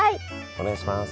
お願いします。